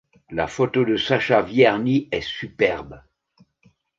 La photo de Sacha Vierny est superbe.